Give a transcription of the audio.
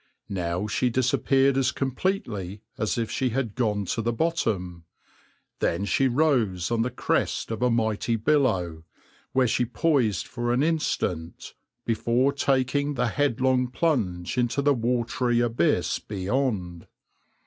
Now she disappeared as completely as if she had gone to the bottom; then she rose on the crest of a mighty billow, where she poised for an instant before taking the headlong plunge into the watery abyss beyond.